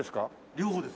両方です。